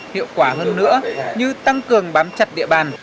hiệu quả hơn nữa như tăng cường bám chặt địa bàn